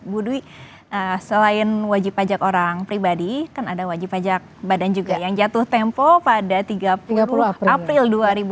bu dwi selain wajib pajak orang pribadi kan ada wajib pajak badan juga yang jatuh tempo pada tiga puluh april dua ribu dua puluh